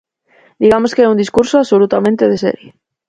Digamos que é un discurso absolutamente de serie.